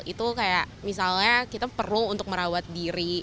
itu kayak misalnya kita perlu untuk merawat diri